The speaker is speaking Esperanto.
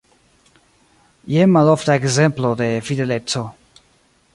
Jen malofta ekzemplo de fideleco.